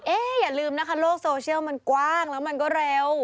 อย่าลืมนะคะโลกโซเชียลมันกว้างแล้วมันก็เร็ว